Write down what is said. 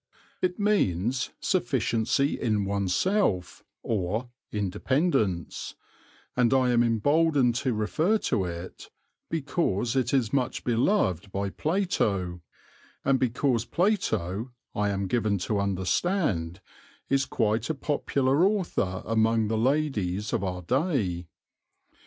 It means "sufficiency in oneself," or "independence," and I am emboldened to refer to it because it is much beloved by Plato, and because Plato, I am given to understand, is quite a popular author among the ladies of our day.